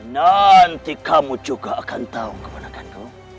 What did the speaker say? nanti kamu juga akan tahu keponakanku